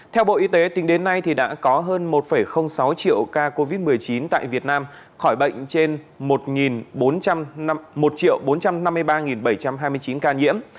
theo bộ y tế tính đến nay đã có hơn một sáu triệu ca covid một mươi chín tại việt nam khỏi bệnh trên một bốn trăm năm mươi ba bảy trăm hai mươi chín ca nhiễm